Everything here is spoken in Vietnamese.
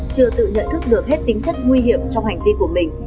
chưa tự nhận thức được hết tính chất nguy hiểm trong hành vi của mình